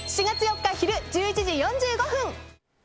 ４月４日昼１１時４５分。